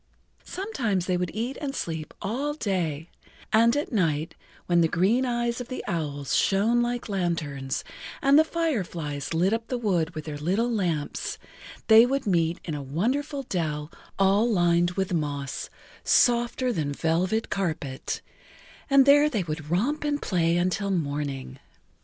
Sometimes they would eat and sleep all day, and at night, when the green eyes of the owls shone like lanterns and the fireflies lit up the wood with their little lamps, they would meet in a wonderful dell all lined with moss softer than velvet carpet, and there they would romp and play until morning.